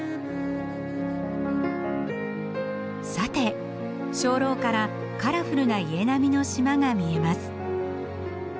さて鐘楼からカラフルな家並みの島が見えます。